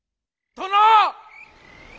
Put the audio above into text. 殿！